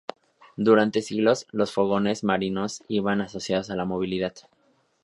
Durante siglos, los fogones marinos iban asociados a la movilidad.